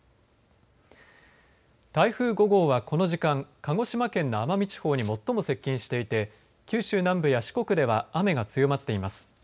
台風５号はこの時間、鹿児島県の奄美地方に最も接近していて九州南部や四国では雨が強まっています。